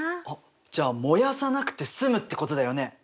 あっじゃあ燃やさなくて済むってことだよね。